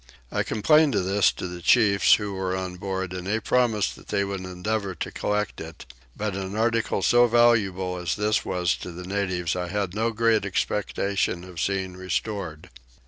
I complained of this to the chiefs who were on board and they promised that they would endeavour to recover it; but an article so valuable as this was to the natives I had no great expectation of seeing restored.